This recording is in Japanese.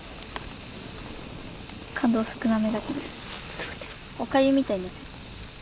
感動少なめだけどおかゆみたいになってる。